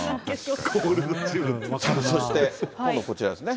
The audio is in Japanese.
そして、今度こちらですね。